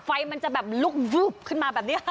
ไฟมันจะแบบลุกขึ้นมาแบบนี้ค่ะ